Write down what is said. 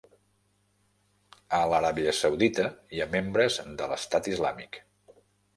A l'Aràbia Saudita hi ha membres de l'Estat Islàmic